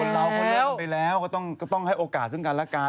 คนนี้แล้วก็ต้องให้โอกาสเสริมกันละกัน